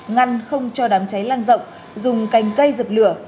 ngăn không cho đám cháy lan rộng dùng cành cây dược lửa